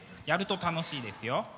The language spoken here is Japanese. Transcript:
やると楽しいですよ。